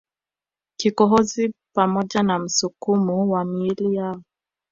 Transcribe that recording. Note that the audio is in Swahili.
kikohozi pamoja na msukumo wa miili yao